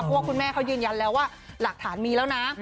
เพราะว่าคุณแม่เขายืนยันแล้วว่าหลักฐานมีแล้วนะ